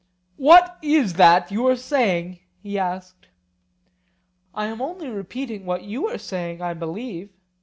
What is that you are saying? he asked. I am only repeating what you are saying, I believe.